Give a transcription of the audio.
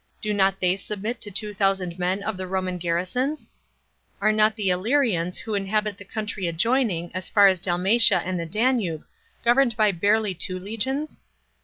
do not they submit to two thousand men of the Roman garrisons? Are not the Illyrlans, who inhabit the country adjoining, as far as Dalmatia and the Danube, governed by barely two legions?